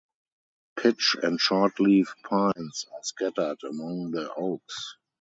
Pitch and shortleaf pines are scattered among the oaks.